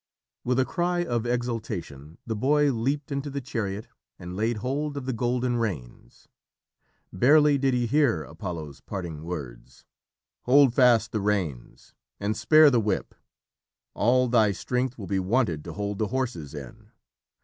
With a cry of exultation, the boy leapt into the chariot and laid hold of the golden reins. Barely did he hear Apollo's parting words: "Hold fast the reins, and spare the whip. All thy strength will be wanted to hold the horses in.